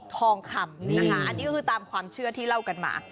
ทองคำนะคะอันนี้ก็คือตามความเชื่อที่เล่ากันมา